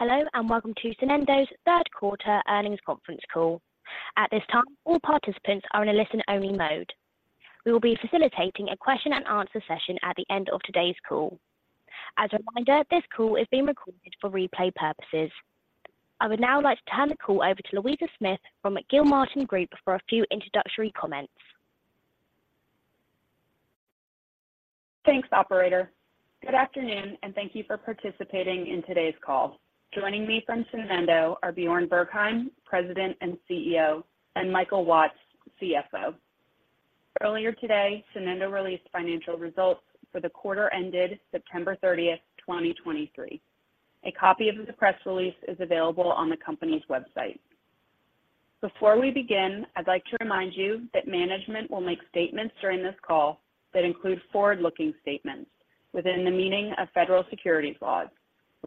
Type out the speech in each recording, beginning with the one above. Hello, and welcome to Sonendo's Third Quarter Earnings Conference Call. At this time, all participants are in a listen-only mode. We will be facilitating a question and answer session at the end of today's call. As a reminder, this call is being recorded for replay purposes. I would now like to turn the call over to Louisa Smith from Gilmartin Group for a few introductory comments. Thanks, operator. Good afternoon, and thank you for participating in today's call. Joining me from Sonendo are Bjarne Bergheim, President and CEO, and Michael Watts, CFO. Earlier today, Sonendo released financial results for the quarter ended September 30, 2023. A copy of the press release is available on the company's website. Before we begin, I'd like to remind you that management will make statements during this call that include forward-looking statements within the meaning of federal securities laws,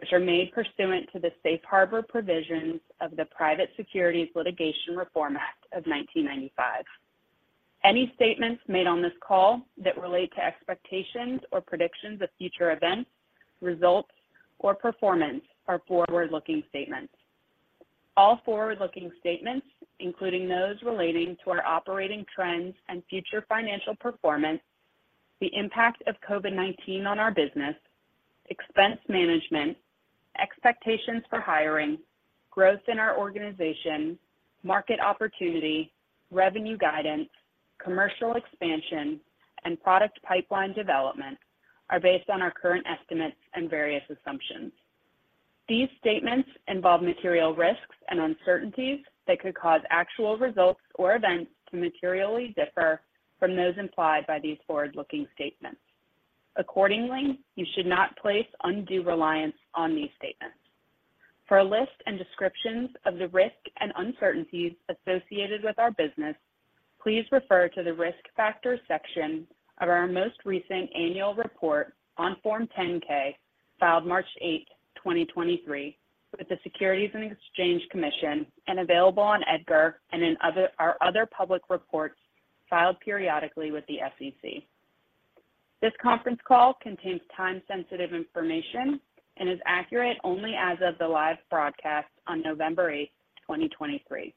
which are made pursuant to the Safe Harbor Provisions of the Private Securities Litigation Reform Act of 1995. Any statements made on this call that relate to expectations or predictions of future events, results, or performance are forward-looking statements. All forward-looking statements, including those relating to our operating trends and future financial performance, the impact of COVID-19 on our business, expense management, expectations for hiring, growth in our organization, market opportunity, revenue guidance, commercial expansion, and product pipeline development, are based on our current estimates and various assumptions. These statements involve material risks and uncertainties that could cause actual results or events to materially differ from those implied by these forward-looking statements. Accordingly, you should not place undue reliance on these statements. For a list and descriptions of the risks and uncertainties associated with our business, please refer to the Risk Factors section of our most recent annual report on Form 10-K, filed March 8, 2023, with the Securities and Exchange Commission and available on EDGAR and in our other public reports filed periodically with the SEC. This conference call contains time-sensitive information and is accurate only as of the live broadcast on November 8th, 2023.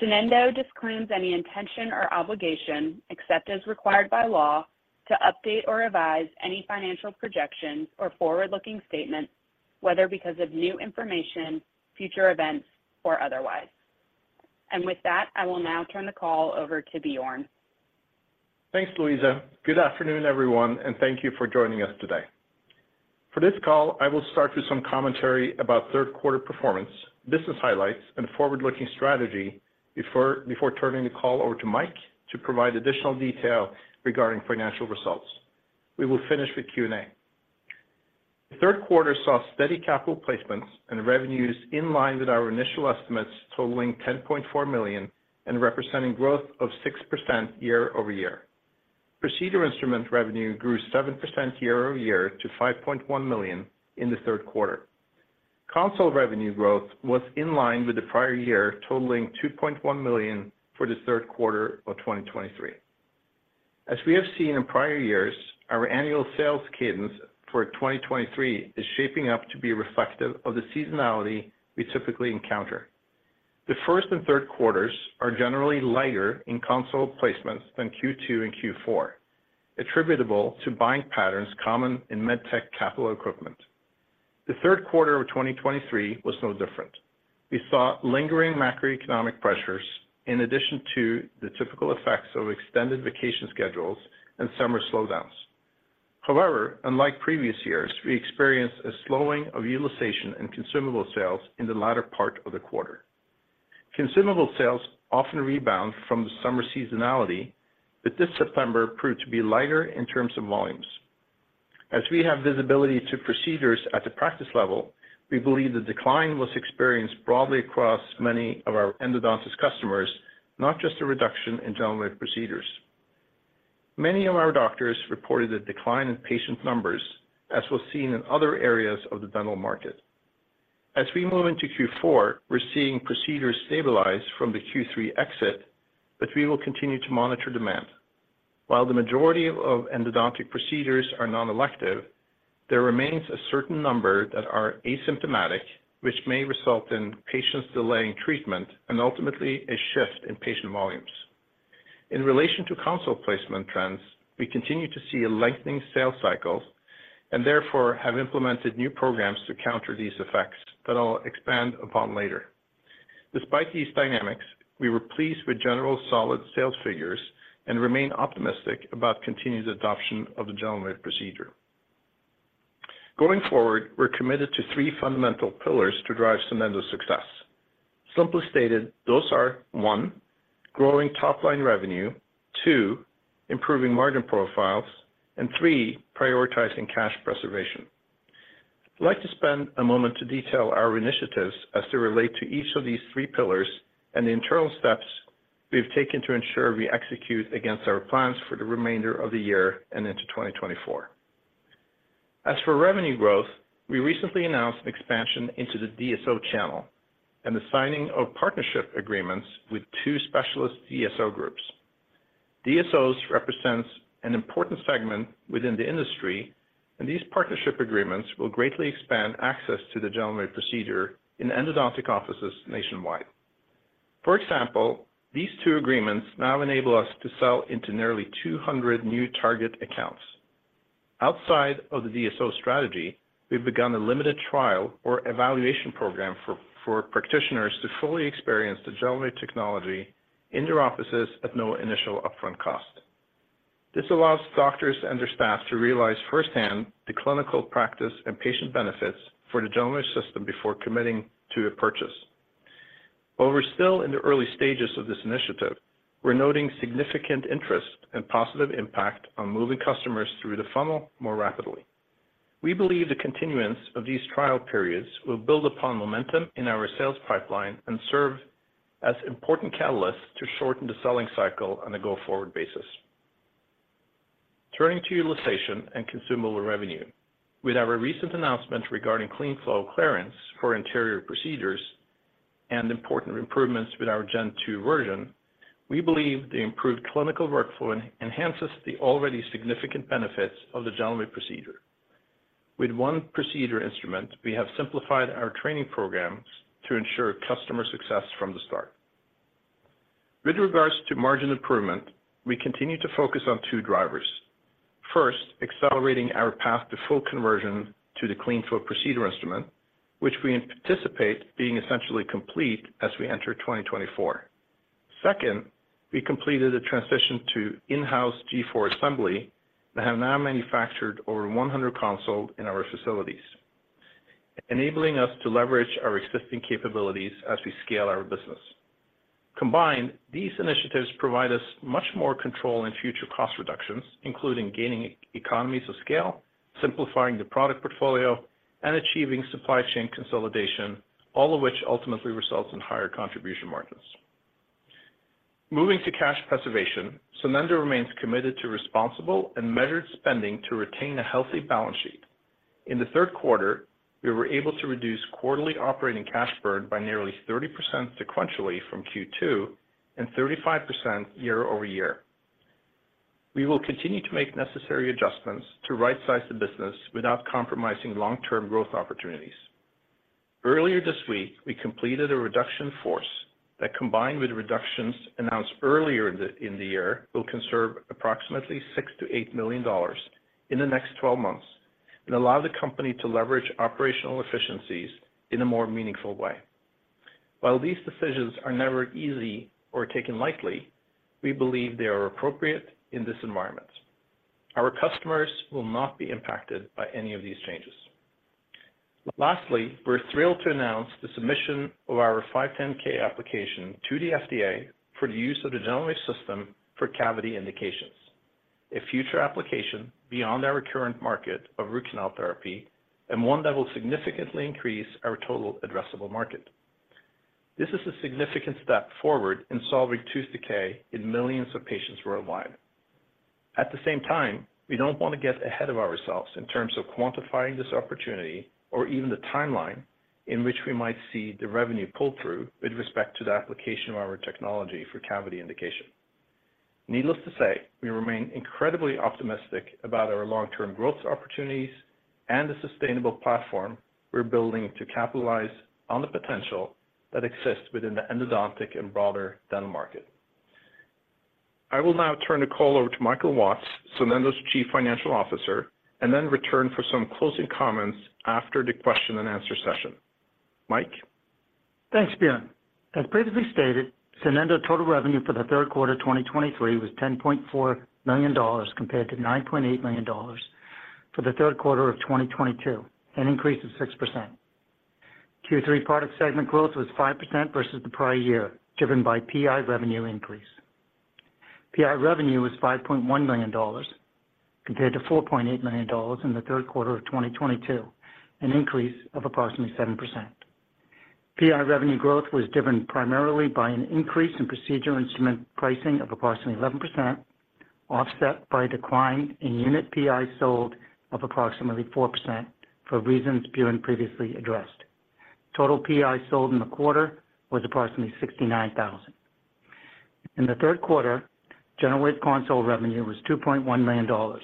Sonendo disclaims any intention or obligation, except as required by law, to update or revise any financial projections or forward-looking statements, whether because of new information, future events, or otherwise. With that, I will now turn the call over to Bjarne. Thanks, Louisa. Good afternoon, everyone, and thank you for joining us today. For this call, I will start with some commentary about third quarter performance, business highlights, and forward-looking strategy before turning the call over to Mike to provide additional detail regarding financial results. We will finish with Q&A. The third quarter saw steady capital placements and revenues in line with our initial estimates, totaling $10.4 million and representing growth of 6% year-over-year. Procedure instrument revenue grew 7% year-over-year to $5.1 million in the third quarter. Console revenue growth was in line with the prior year, totaling $2.1 million for the third quarter of 2023. As we have seen in prior years, our annual sales cadence for 2023 is shaping up to be reflective of the seasonality we typically encounter. The first and third quarters are generally lighter in console placements than Q2 and Q4, attributable to buying patterns common in medtech capital equipment. The third quarter of 2023 was no different. We saw lingering macroeconomic pressures in addition to the typical effects of extended vacation schedules and summer slowdowns. However, unlike previous years, we experienced a slowing of utilization and consumable sales in the latter part of the quarter. Consumable sales often rebound from the summer seasonality, but this September proved to be lighter in terms of volumes. As we have visibility to procedures at the practice level, we believe the decline was experienced broadly across many of our endodontist customers, not just a reduction in GentleWave procedures. Many of our doctors reported a decline in patient numbers, as was seen in other areas of the dental market. As we move into Q4, we're seeing procedures stabilize from the Q3 exit, but we will continue to monitor demand. While the majority of endodontic procedures are non-elective, there remains a certain number that are asymptomatic, which may result in patients delaying treatment and ultimately a shift in patient volumes. In relation to console placement trends, we continue to see a lengthening sales cycles and therefore have implemented new programs to counter these effects that I'll expand upon later. Despite these dynamics, we were pleased with generally solid sales figures and remain optimistic about continued adoption of the GentleWave procedure. Going forward, we're committed to three fundamental pillars to drive Sonendo's success. Simply stated, those are, one, growing top-line revenue, two, improving margin profiles, and three, prioritizing cash preservation. I'd like to spend a moment to detail our initiatives as they relate to each of these three pillars and the internal steps we've taken to ensure we execute against our plans for the remainder of the year and into 2024. As for revenue growth, we recently announced an expansion into the DSO channel and the signing of partnership agreements with two specialist DSO groups. DSOs represent an important segment within the industry, and these partnership agreements will greatly expand access to the GentleWave procedure in endodontic offices nationwide. For example, these two agreements now enable us to sell into nearly 200 new target accounts. Outside of the DSO strategy, we've begun a limited trial or evaluation program for practitioners to fully experience the GentleWave technology in their offices at no initial upfront cost. This allows doctors and their staff to realize firsthand the clinical practice and patient benefits for the GentleWave System before committing to a purchase. While we're still in the early stages of this initiative, we're noting significant interest and positive impact on moving customers through the funnel more rapidly. We believe the continuance of these trial periods will build upon momentum in our sales pipeline and serve as important catalysts to shorten the selling cycle on a go-forward basis. Turning to utilization and consumable revenue. With our recent announcement regarding CleanFlow clearance for anterior procedures and important improvements with our Gen 2 version, we believe the improved clinical workflow enhances the already significant benefits of the GentleWave procedure. With one procedure instrument, we have simplified our training programs to ensure customer success from the start. With regards to margin improvement, we continue to focus on two drivers. First, accelerating our path to full conversion to the CleanFlow procedure instrument, which we anticipate being essentially complete as we enter 2024. Second, we completed a transition to in-house G4 assembly and have now manufactured over 100 consoles in our facilities, enabling us to leverage our existing capabilities as we scale our business. Combined, these initiatives provide us much more control in future cost reductions, including gaining economies of scale, simplifying the product portfolio, and achieving supply chain consolidation, all of which ultimately results in higher contribution margins. Moving to cash preservation, Sonendo remains committed to responsible and measured spending to retain a healthy balance sheet. In the third quarter, we were able to reduce quarterly operating cash burn by nearly 30% sequentially from Q2 and 35% year-over-year. We will continue to make necessary adjustments to rightsize the business without compromising long-term growth opportunities. Earlier this week, we completed a reduction force that, combined with reductions announced earlier in the year, will conserve approximately $6 million-$8 million in the next 12 months and allow the company to leverage operational efficiencies in a more meaningful way. While these decisions are never easy or taken lightly, we believe they are appropriate in this environment. Our customers will not be impacted by any of these changes. Lastly, we're thrilled to announce the submission of our 510(k) application to the FDA for the use of the GentleWave System for cavity indications, a future application beyond our current market of root canal therapy and one that will significantly increase our total addressable market. This is a significant step forward in solving tooth decay in millions of patients worldwide. At the same time, we don't want to get ahead of ourselves in terms of quantifying this opportunity or even the timeline in which we might see the revenue pull-through with respect to the application of our technology for cavity indication. Needless to say, we remain incredibly optimistic about our long-term growth opportunities and the sustainable platform we're building to capitalize on the potential that exists within the endodontic and broader dental market. I will now turn the call over to Michael Watts, Sonendo's Chief Financial Officer, and then return for some closing comments after the question and answer session. Mike? Thanks, Bjarne. As previously stated, Sonendo total revenue for the third quarter of 2023 was $10.4 million, compared to $9.8 million for the third quarter of 2022, an increase of 6%. Q3 product segment growth was 5% versus the prior year, driven by PI revenue increase. PI revenue was $5.1 million, compared to $4.8 million in the third quarter of 2022, an increase of approximately 7%. PI revenue growth was driven primarily by an increase in procedure instrument pricing of approximately 11%, offset by a decline in unit PI sold of approximately 4%, for reasons Bjarne previously addressed. Total PI sold in the quarter was approximately 69,000. In the third quarter, GentleWave console revenue was $2.1 million,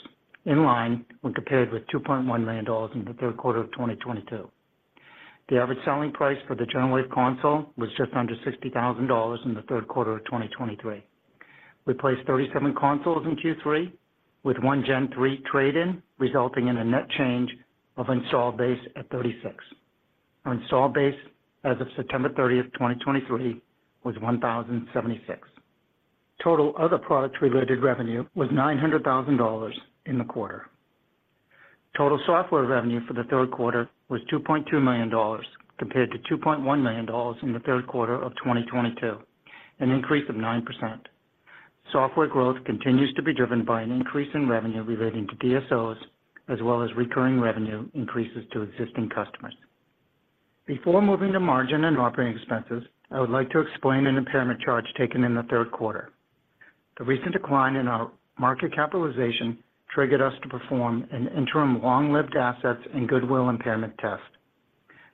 in line when compared with $2.1 million in the third quarter of 2022. The average selling price for the GentleWave console was just under $60,000 in the third quarter of 2023. We placed 37 consoles in Q3, with one Gen 3 trade-in, resulting in a net change of installed base at 36. Our installed base as of September 30, 2023, was 1,076. Total other products related revenue was $900,000 in the quarter. Total software revenue for the third quarter was $2.2 million, compared to $2.1 million in the third quarter of 2022, an increase of 9%. Software growth continues to be driven by an increase in revenue relating to DSOs, as well as recurring revenue increases to existing customers. Before moving to margin and operating expenses, I would like to explain an impairment charge taken in the third quarter. The recent decline in our market capitalization triggered us to perform an interim long-lived assets and goodwill impairment test.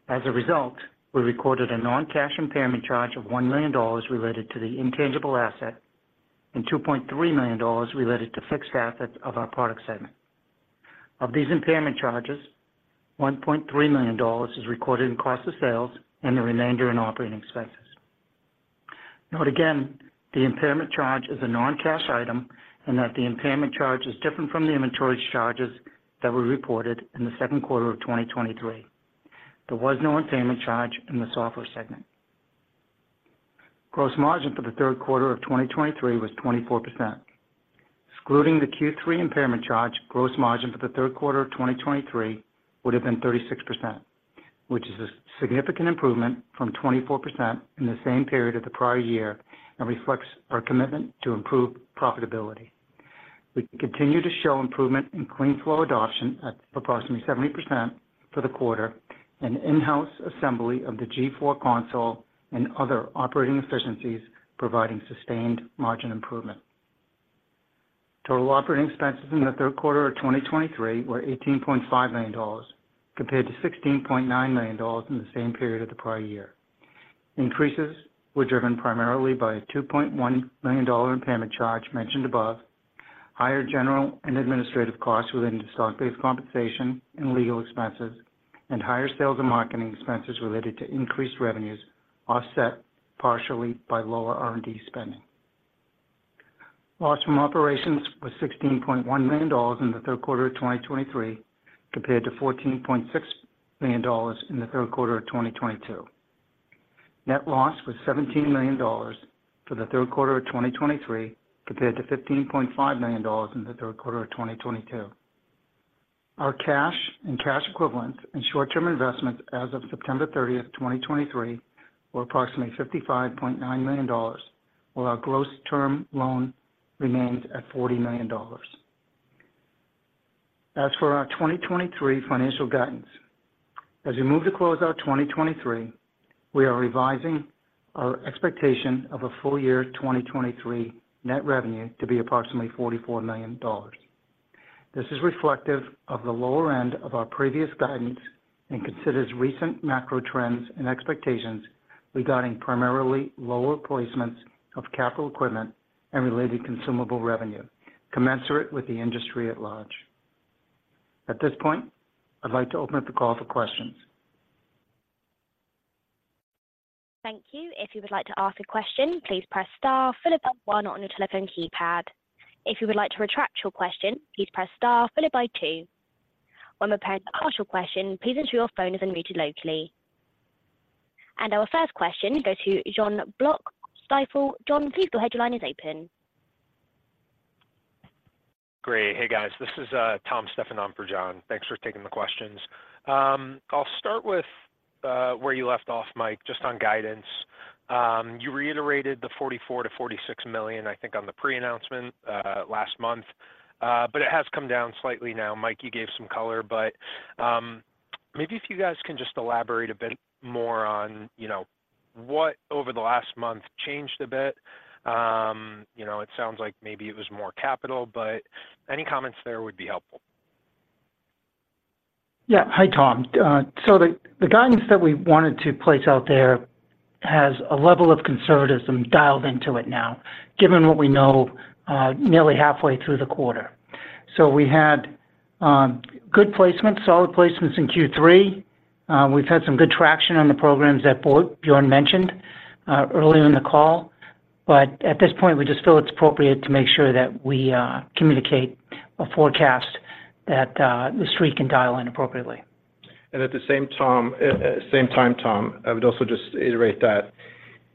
As a result, we recorded a non-cash impairment charge of $1 million related to the intangible asset, and $2.3 million related to fixed assets of our product segment. Of these impairment charges, $1.3 million is recorded in cost of sales and the remainder in operating expenses. Note again, the impairment charge is a non-cash item, and that the impairment charge is different from the inventory charges that were reported in the second quarter of 2023. There was no impairment charge in the software segment. Gross margin for the third quarter of 2023 was 24%. Excluding the Q3 impairment charge, gross margin for the third quarter of 2023 would have been 36%, which is a significant improvement from 24% in the same period of the prior year and reflects our commitment to improve profitability. We continue to show improvement in CleanFlow adoption at approximately 70% for the quarter, and in-house assembly of the G4 console and other operating efficiencies, providing sustained margin improvement. Total operating expenses in the third quarter of 2023 were $18.5 million, compared to $16.9 million in the same period of the prior year. Increases were driven primarily by a $2.1 million impairment charge mentioned above, higher general and administrative costs related to stock-based compensation and legal expenses, and higher sales and marketing expenses related to increased revenues, offset partially by lower R&D spending. Loss from operations was $16.1 million in the third quarter of 2023, compared to $14.6 million in the third quarter of 2022. Net loss was $17 million for the third quarter of 2023, compared to $15.5 million in the third quarter of 2022. Our cash and cash equivalent in short-term investments as of September 30, 2023, were approximately $55.9 million, while our gross term loan remains at $40 million. As for our 2023 financial guidance, as we move to close out 2023, we are revising our expectation of a full year 2023 net revenue to be approximately $44 million. This is reflective of the lower end of our previous guidance and considers recent macro trends and expectations regarding primarily lower placements of capital equipment and related consumable revenue, commensurate with the industry at large. At this point, I'd like to open up the call for questions. Thank you. If you would like to ask a question, please press star followed by one on your telephone keypad. If you would like to retract your question, please press star followed by two. When preparing to ask your question, please ensure your phone is unmuted locally. Our first question goes to Jon Block, Stifel. Jon, please go ahead. Your line is open. Great. Hey, guys, this is Tom Stephan on for Jon. Thanks for taking the questions. I'll start with where you left off, Mike, just on guidance. You reiterated the $44 million-$46 million, I think, on the pre-announcement last month, but it has come down slightly now. Mike, you gave some color, but maybe if you guys can just elaborate a bit more on, you know, what over the last month changed a bit? You know, it sounds like maybe it was more capital, but any comments there would be helpful. Yeah. Hi, Tom. So the guidance that we wanted to place out there has a level of conservatism dialed into it now, given what we know, nearly halfway through the quarter. So we had good placements, solid placements in Q3. We've had some good traction on the programs that Bjarne mentioned earlier in the call, but at this point, we just feel it's appropriate to make sure that we communicate a forecast that the street can dial in appropriately. At the same time, Tom, I would also just iterate that,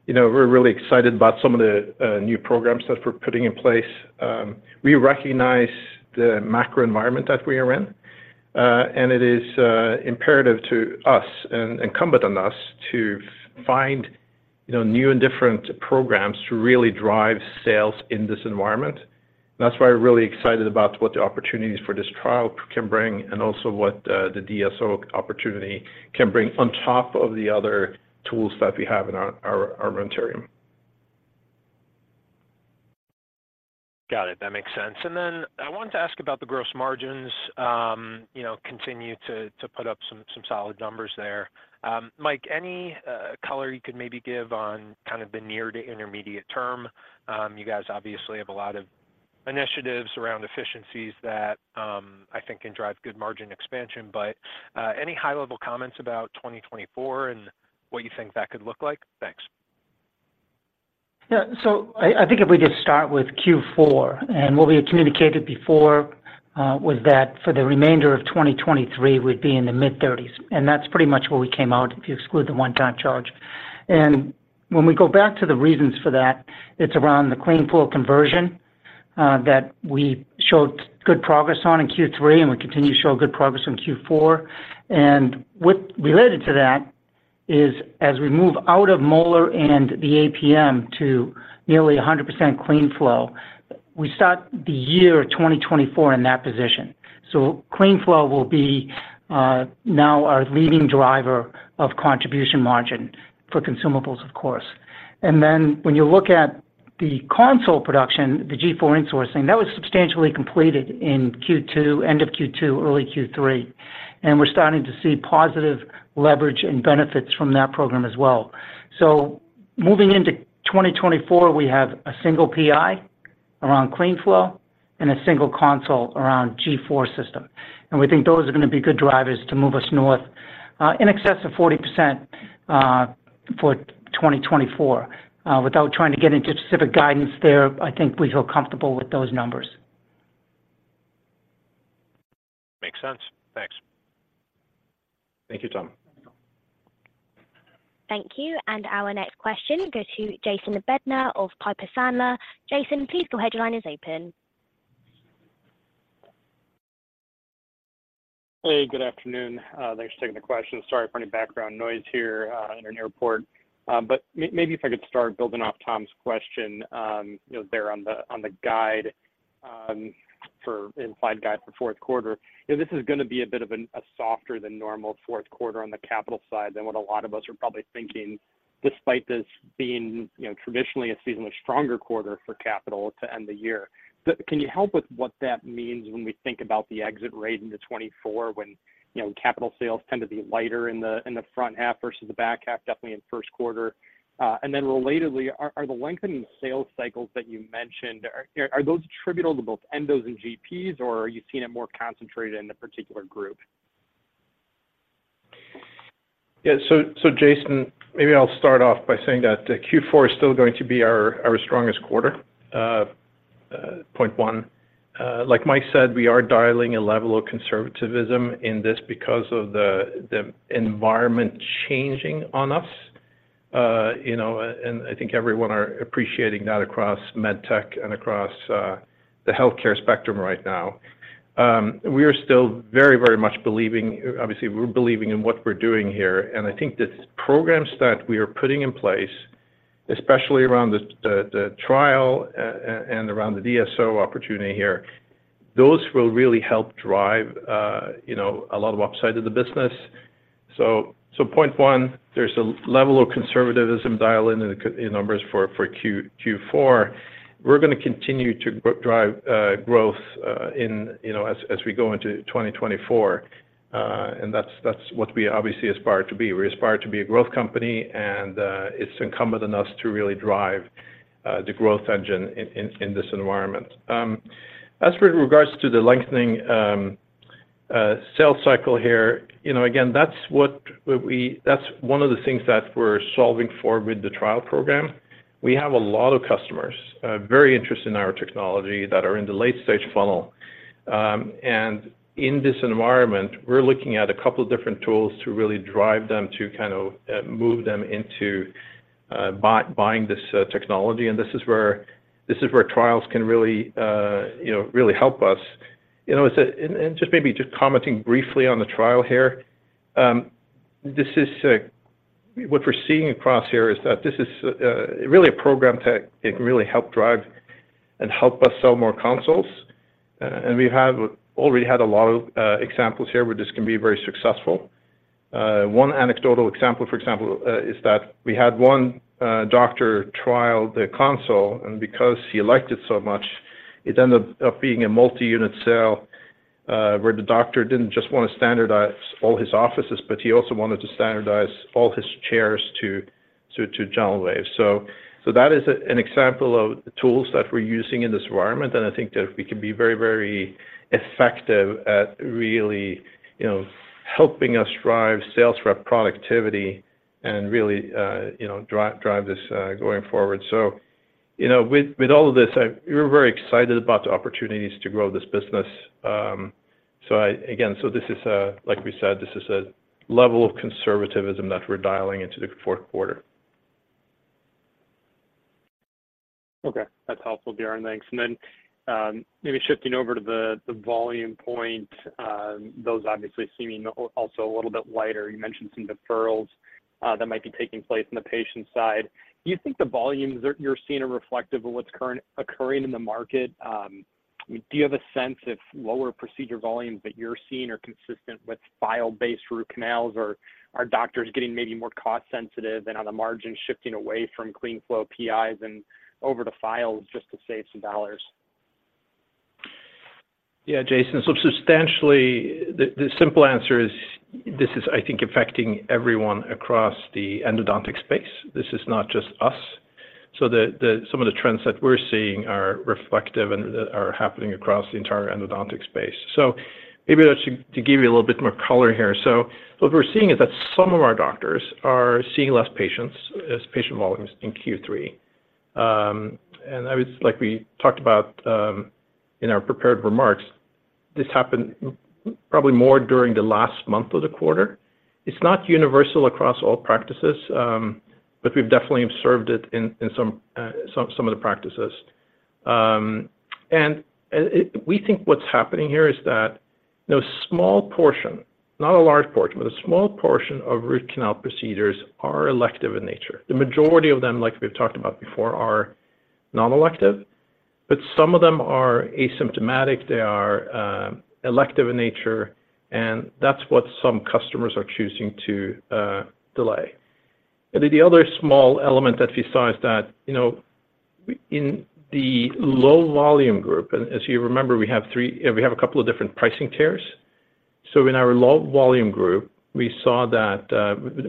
you know, we're really excited about some of the new programs that we're putting in place. We recognize the macro environment that we are in, and it is imperative to us and incumbent on us to find, you know, new and different programs to really drive sales in this environment. That's why we're really excited about what the opportunities for this trial can bring, and also what the DSO opportunity can bring on top of the other tools that we have in our inventory. Got it. That makes sense. And then I wanted to ask about the gross margins, you know, continue to put up some solid numbers there. Mike, any color you could maybe give on kind of the near to intermediate term? You guys obviously have a lot of initiatives around efficiencies that I think can drive good margin expansion, but any high-level comments about 2024 and what you think that could look like? Thanks. Yeah. So I, I think if we just start with Q4, and what we had communicated before, was that for the remainder of 2023, we'd be in the mid-30s, and that's pretty much what we came out, if you exclude the one-time charge. And when we go back to the reasons for that, it's around the CleanFlow conversion, that we showed good progress on in Q3, and we continue to show good progress in Q4. And what related to that, is as we move out of molar and the APM to nearly 100% CleanFlow, we start the year 2024 in that position. CleanFlow will be now our leading driver of contribution margin for consumables, of course. And then when you look at the console production, the G4 insourcing, that was substantially completed in Q2, end of Q2, early Q3, and we're starting to see positive leverage and benefits from that program as well. So moving into 2024, we have a single PI around CleanFlow and a single console around G4 System. And we think those are going to be good drivers to move us north in excess of 40% for 2024. Without trying to get into specific guidance there, I think we feel comfortable with those numbers. Makes sense. Thanks. Thank you, Tom. Thank you. Our next question goes to Jason Bednar of Piper Sandler. Jason, please your line is open. Hey, good afternoon. Thanks for taking the question. Sorry for any background noise here in an airport. But if I could start building off Tom's question, you know, on the guidance for fourth quarter. You know, this is going to be a bit of a softer than normal fourth quarter on the capital side than what a lot of us are probably thinking, despite this being, you know, traditionally a seasonally stronger quarter for capital to end the year. But can you help with what that means when we think about the exit rate into 2024, when, you know, capital sales tend to be lighter in the front half versus the back half, definitely in first quarter? And then relatedly, are the lengthening sales cycles that you mentioned, are those attributable to both endos and GPs, or are you seeing it more concentrated in a particular group? Yeah, so Jason, maybe I'll start off by saying that Q4 is still going to be our strongest quarter, point one. Like Mike said, we are dialing a level of conservatism in this because of the environment changing on us. You know, and I think everyone are appreciating that across MedTech and across the healthcare spectrum right now. We are still very, very much believing, obviously, we're believing in what we're doing here, and I think the programs that we are putting in place, especially around the trial and around the DSO opportunity here, those will really help drive, you know, a lot of upside of the business. So point one, there's a level of conservatism dial in the numbers for Q4. We're going to continue to drive growth in, you know, as we go into 2024, and that's what we obviously aspire to be. We aspire to be a growth company, and it's incumbent on us to really drive the growth engine in this environment. As regards to the lengthening sales cycle here, you know, again, that's one of the things that we're solving for with the trial program. We have a lot of customers very interested in our technology that are in the late-stage funnel. And in this environment, we're looking at a couple of different tools to really drive them, to kind of move them into buying this technology. And this is where trials can really, you know, really help us. You know, it's. And just maybe commenting briefly on the trial here. This is what we're seeing across here is that this is really a program that it can really help drive and help us sell more consoles. And we have already had a lot of examples here where this can be very successful. One anecdotal example, for example, is that we had one doctor trial the console, and because he liked it so much, it ended up being a multi-unit sale, where the doctor didn't just want to standardize all his offices, but he also wanted to standardize all his chairs to GentleWave. So, so that is an example of tools that we're using in this environment, and I think that we can be very, very effective at really, you know, helping us drive sales rep productivity and really, you know, drive this going forward. So, you know, with, with all of this, we're very excited about the opportunities to grow this business. Again, so this is a, like we said, this is a level of conservatism that we're dialing into the fourth quarter. Okay, that's helpful, Bjarne. Thanks. And then, maybe shifting over to the volume point, those obviously seeming also a little bit lighter. You mentioned some deferrals that might be taking place in the patient side. Do you think the volumes that you're seeing are reflective of what's occurring in the market? Do you have a sense if lower procedure volumes that you're seeing are consistent with file-based root canals, or are doctors getting maybe more cost sensitive and on the margin, shifting away from CleanFlow PIs and over to files just to save some dollars? Yeah, Jason. So substantially, the simple answer is this is, I think, affecting everyone across the endodontic space. This is not just us. So the-- some of the trends that we're seeing are reflective and are happening across the entire endodontic space. So maybe to give you a little bit more color here. So what we're seeing is that some of our doctors are seeing less patients, as patient volumes in Q3. And I was, like we talked about, in our prepared remarks, this happened probably more during the last month of the quarter. It's not universal across all practices, but we've definitely observed it in some of the practices. We think what's happening here is that, you know, a small portion, not a large portion, but a small portion of root canal procedures are elective in nature. The majority of them, like we've talked about before, are non-elective. But some of them are asymptomatic, they are elective in nature, and that's what some customers are choosing to delay. And then the other small element that we saw is that, you know, in the low volume group, and as you remember, we have a couple of different pricing tiers. So in our low volume group, we saw that,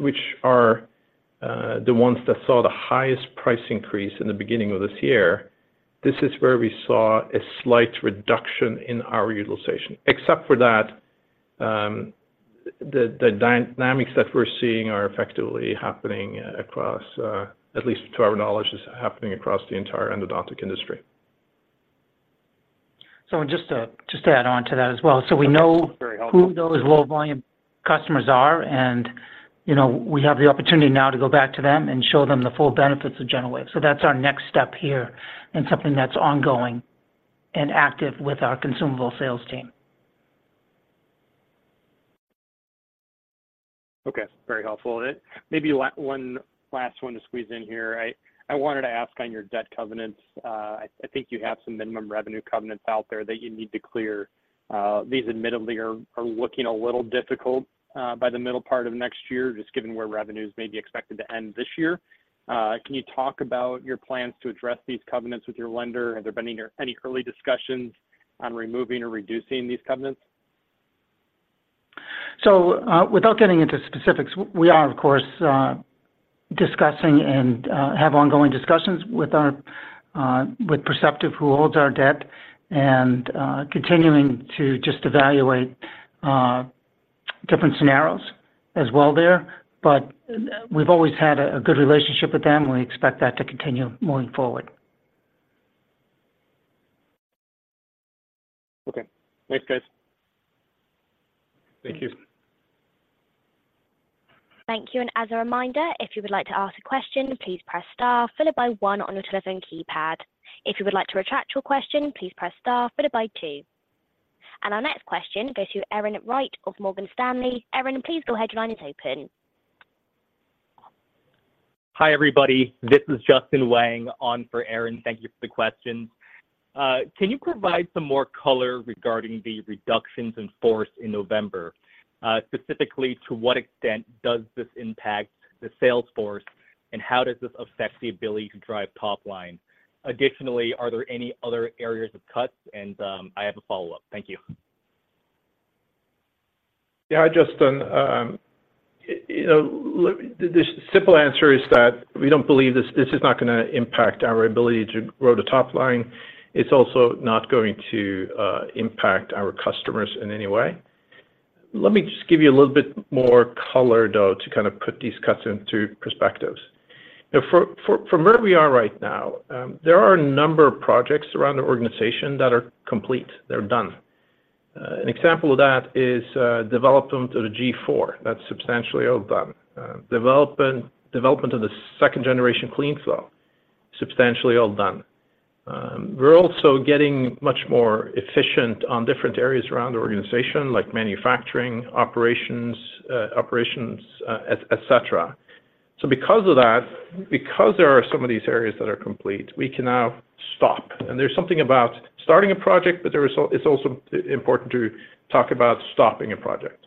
which are the ones that saw the highest price increase in the beginning of this year, this is where we saw a slight reduction in our utilization. Except for that, the dynamics that we're seeing are effectively happening across, at least to our knowledge, is happening across the entire endodontic industry. So just to add on to that as well- Okay, very helpful. We know who those low volume customers are, and, you know, we have the opportunity now to go back to them and show them the full benefits of GentleWave. That's our next step here, and something that's ongoing and active with our consumable sales team. Okay, very helpful. Maybe one last one to squeeze in here. I wanted to ask on your debt covenants. I think you have some minimum revenue covenants out there that you need to clear. These admittedly are looking a little difficult by the middle part of next year, just given where revenues may be expected to end this year. Can you talk about your plans to address these covenants with your lender? Have there been any early discussions on removing or reducing these covenants? So, without getting into specifics, we are, of course, discussing and have ongoing discussions with our with Perceptive, who holds our debt, and continuing to just evaluate different scenarios as well there. But we've always had a good relationship with them, and we expect that to continue moving forward. Okay. Thanks, guys. Thank you. Thank you, and as a reminder, if you would like to ask a question, please press star followed by one on your telephone keypad. If you would like to retract your question, please press star followed by two. And our next question goes to Erin Wright of Morgan Stanley. Aaron, please go ahead, your line is open. Hi, everybody. This is Justin Wang on for Erin. Thank you for the questions. Can you provide some more color regarding the reductions in force in November? Specifically, to what extent does this impact the sales force, and how does this affect the ability to drive top line? Additionally, are there any other areas of cuts? And, I have a follow-up. Thank you. Yeah, Justin, you know, look, the simple answer is that we don't believe this—this is not gonna impact our ability to grow the top line. It's also not going to impact our customers in any way. Let me just give you a little bit more color, though, to kind of put these cuts into perspective. You know, from where we are right now, there are a number of projects around the organization that are complete, they're done. An example of that is development of the G4, that's substantially all done. Development of the second generation CleanFlow, substantially all done. We're also getting much more efficient on different areas around the organization, like manufacturing, operations, et cetera. So because of that, because there are some of these areas that are complete, we can now stop. There's something about starting a project, but there is also important to talk about stopping a project.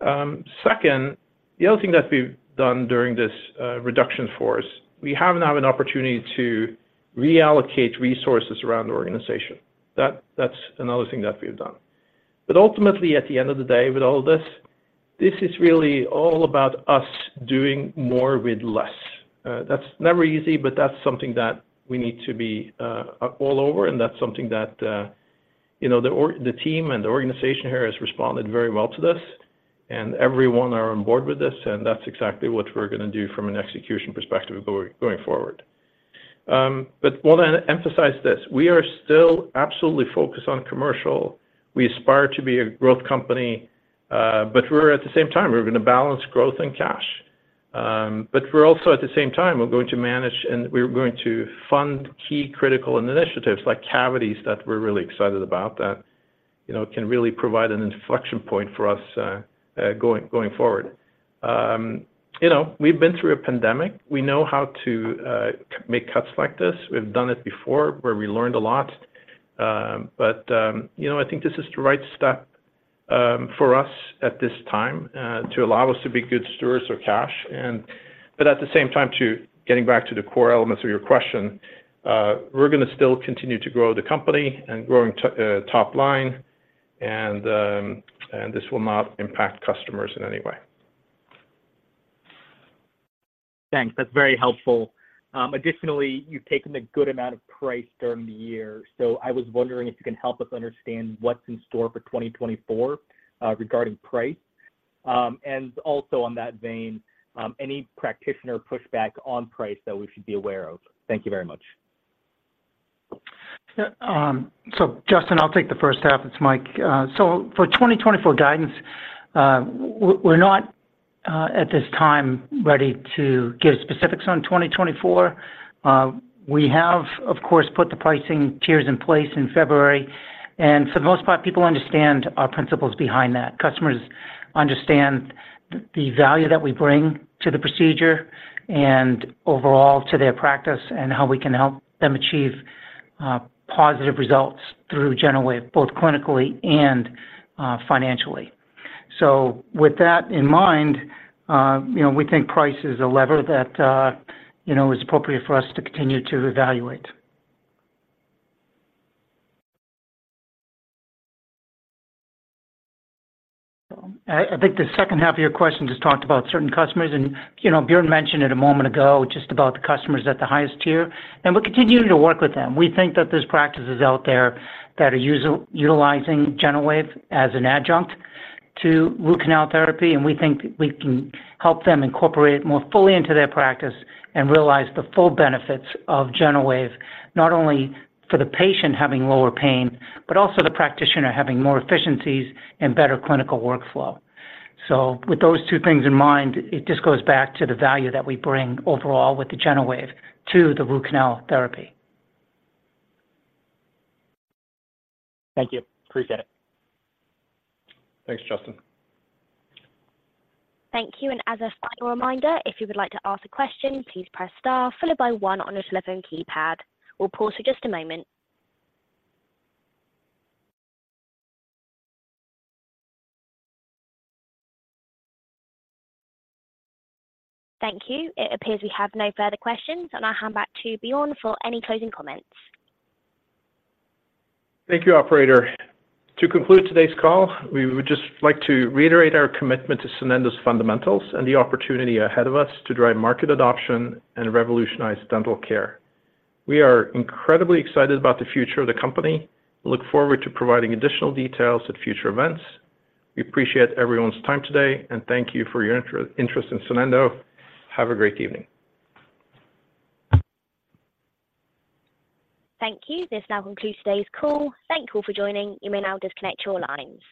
Second, the other thing that we've done during this reduction in force, we have now an opportunity to reallocate resources around the organization. That's another thing that we've done. But ultimately, at the end of the day, with all this, this is really all about us doing more with less. That's never easy, but that's something that we need to be all over, and that's something that, you know, the organization, the team and the organization here has responded very well to this, and everyone are on board with this, and that's exactly what we're gonna do from an execution perspective going forward. But I wanna emphasize this: we are still absolutely focused on commercial. We aspire to be a growth company, but we're at the same time, we're gonna balance growth and cash. But we're also at the same time, we're going to manage, and we're going to fund key critical initiatives like cavities that we're really excited about, that, you know, can really provide an inflection point for us, going forward. You know, we've been through a pandemic. We know how to make cuts like this. We've done it before, where we learned a lot. You know, I think this is the right step for us at this time to allow us to be good stewards of cash, and... But at the same time, to getting back to the core elements of your question, we're gonna still continue to grow the company and growing top line, and, and this will not impact customers in any way. Thanks. That's very helpful. Additionally, you've taken a good amount of price during the year, so I was wondering if you can help us understand what's in store for 2024, regarding price. And also in that vein, any practitioner pushback on price that we should be aware of? Thank you very much. Yeah, so Justin, I'll take the first half. It's Mike. So for 2024 guidance, we're not, at this time, ready to give specifics on 2024. We have, of course, put the pricing tiers in place in February.... And for the most part, people understand our principles behind that. Customers understand the, the value that we bring to the procedure and overall to their practice, and how we can help them achieve, positive results through GentleWave, both clinically and, financially. So with that in mind, you know, we think price is a lever that, you know, is appropriate for us to continue to evaluate. I think the second half of your question just talked about certain customers, and you know, Bjarne mentioned it a moment ago, just about the customers at the highest tier, and we're continuing to work with them. We think that there's practices out there that are utilizing GentleWave as an adjunct to root canal therapy, and we think we can help them incorporate it more fully into their practice and realize the full benefits of GentleWave, not only for the patient having lower pain, but also the practitioner having more efficiencies and better clinical workflow. So with those two things in mind, it just goes back to the value that we bring overall with the GentleWave to the root canal therapy. Thank you. Appreciate it. Thanks, Justin. Thank you, and as a final reminder, if you would like to ask a question, please press star followed by one on your telephone keypad. We'll pause for just a moment. Thank you. It appears we have no further questions, and I'll hand back to Bjarne for any closing comments. Thank you, operator. To conclude today's call, we would just like to reiterate our commitment to Sonendo's fundamentals and the opportunity ahead of us to drive market adoption and revolutionize dental care. We are incredibly excited about the future of the company and look forward to providing additional details at future events. We appreciate everyone's time today, and thank you for your interest in Sonendo. Have a great evening. Thank you. This now concludes today's call. Thank you all for joining. You may now disconnect your lines.